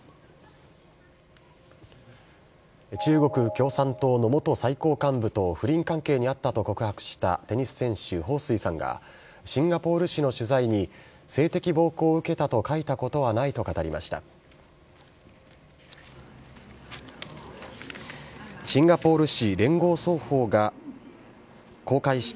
中国共産党の元最高幹部と不倫関係にあったと告白したテニス選手、彭帥さんが、シンガポール紙の取材に、性的暴行を受けたと書いたことはないと語りました。